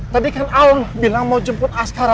tadi kan allah bilang mau jemput askara